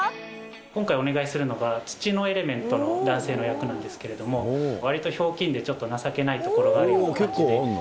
今回、お願いするのは、土のエレメントの男性の役なんですけれども、わりとひょうきんでちょっと情けないところがある感じで。